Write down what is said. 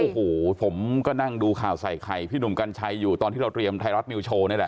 โอ้โหผมก็นั่งดูข่าวใส่ไข่พี่หนุ่มกัญชัยอยู่ตอนที่เราเตรียมไทยรัฐนิวโชว์นี่แหละ